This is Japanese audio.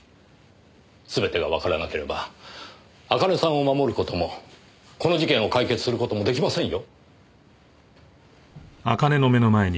全てがわからなければ茜さんを守る事もこの事件を解決する事も出来ませんよ。